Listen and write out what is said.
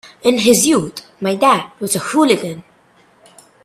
In his youth my dad was a hooligan.